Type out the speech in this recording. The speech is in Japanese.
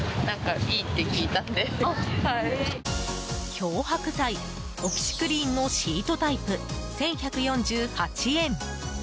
漂白剤オキシクリーンのシートタイプ、１１４８円。